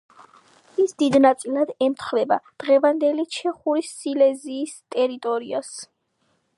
ის დიდ ნაწილად ემთხვევა დღევანდელი ჩეხური სილეზიის ტერიტორიას.